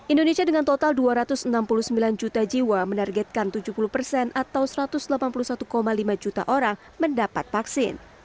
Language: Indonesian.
indonesia dengan total dua ratus enam puluh sembilan juta jiwa menargetkan tujuh puluh persen atau satu ratus delapan puluh satu lima juta orang mendapat vaksin